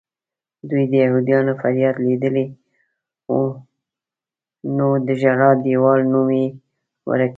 دوی د یهودیانو فریاد لیدلی و نو د ژړا دیوال نوم یې ورکړی.